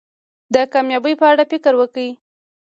د کامیابی په اړه فکر وکړی.